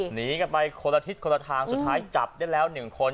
หนีกันไปคนละทิศคนละทางสุดท้ายจับได้แล้ว๑คน